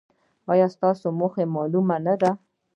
ایا ستاسو موخه معلومه نه ده؟